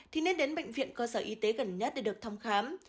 thì nên đến bệnh viện cơ sở y tế gần nhất để được thăm khám